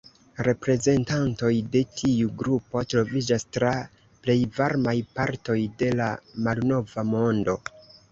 Reprezentantoj de tiu grupo troviĝas tra plej varmaj partoj de la Malnova Mondo.